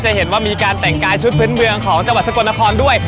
เห็นว่ามีการแต่งกายชุดพื้นเมืองของจังหวัดสกลนครด้วย